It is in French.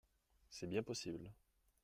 C’est bien possible.